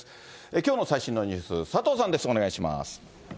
きょうの最新のニュース、佐藤さんです、お願いします。